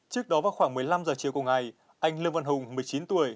trước đó vào khoảng một mươi năm h chiều cùng ngày anh lương văn hùng một mươi chín tuổi